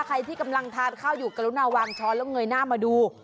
ใครที่กำลังทานข้าวอยู่กรุณาวางช้อนแล้วเงยหน้ามาดู